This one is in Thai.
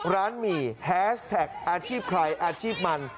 หมี่แฮสแท็กอาชีพใครอาชีพมัน